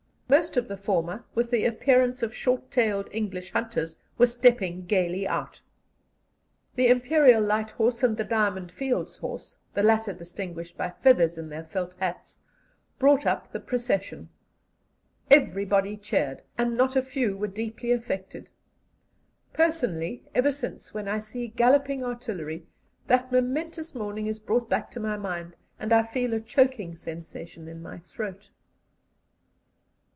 Most of the former, with the appearance of short tailed English hunters, were stepping gaily out. The Imperial Light Horse and the Diamond Fields Horse, the latter distinguished by feathers in their felt hats, brought up the procession. Everybody cheered, and not a few were deeply affected. Personally, ever since, when I see galloping artillery, that momentous morning is brought back to my mind, and I feel a choking sensation in my throat.